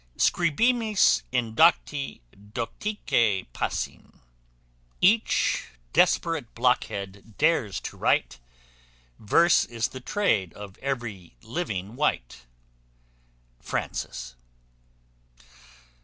Scribimus indocti doctique passim,[*] [*] Each desperate blockhead dares to write: Verse is the trade of every living wight. FRANCIS.